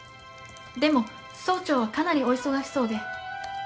でも総長はかなりお忙しそうで。